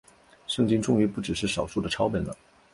圣经终于不只是少数的抄本了。